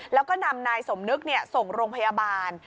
แล้วก็นำนายสมนึกส่งโรงพยาบาล